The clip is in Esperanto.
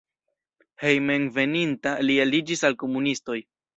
Hejmenveninta li aliĝis al komunistoj.